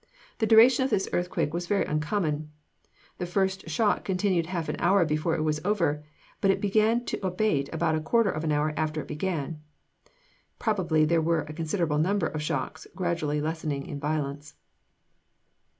The duration of this earthquake was very uncommon. The first shock continued half an hour before it was over, but it began to abate about a quarter of an hour after it began." (Probably there were a considerable number of shocks, gradually lessening in violence.)